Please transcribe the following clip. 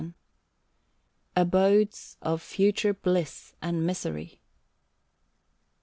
OF THE ABODES OF FUTURE BLISS AND MISERY. 66.